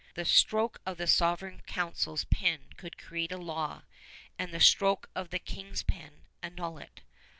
The stroke of the Sovereign Council's pen could create a law, and the stroke of the King's pen annul it.